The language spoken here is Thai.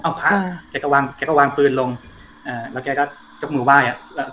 เอาพระแกก็วางแกก็วางปืนลงอ่าแล้วแกก็ยกมือไหว้อ่ะ